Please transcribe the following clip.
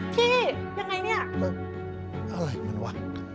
พี่ยังไงเนี่ยอะไรมันวะ